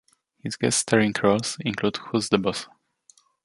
His guest starring roles include Who's the Boss?